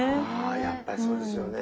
あやっぱりそうですよね。